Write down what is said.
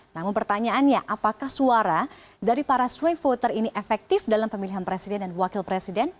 namun pertanyaannya apakah suara dari para swing voter ini efektif dalam pemilihan presiden dan wakil presiden